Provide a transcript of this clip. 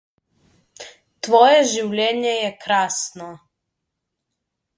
Tvoje življenje je krasno.